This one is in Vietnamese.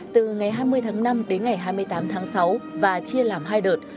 từ ngày hai mươi tháng năm đến ngày hai mươi tám tháng sáu và chia làm hai đợt